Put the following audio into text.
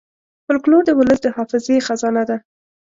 فلکور د ولس د حافظې خزانه ده.